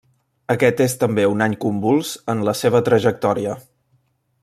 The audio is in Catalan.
Aquest és també un any convuls en la seva trajectòria.